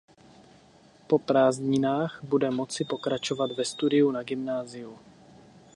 Po prázdninách bude moci pokračovat ve studiu na gymnáziu.